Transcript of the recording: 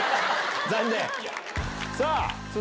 残念！